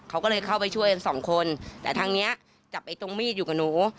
เขาก็เลยเข้าไปช่วยกันสองคนแต่ทางเนี้ยจับไอ้ตรงมีดอยู่กับหนู